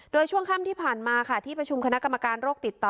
โดยช่วงค่ำที่ผ่านมาค่ะที่ประชุมคณะกรรมการโรคติดต่อ